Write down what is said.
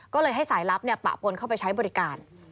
ก็เลยให้สายลับปะปนเข้าไปใช้บริการ